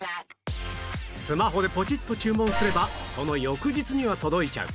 スマホでポチッと注文すればその翌日には届いちゃう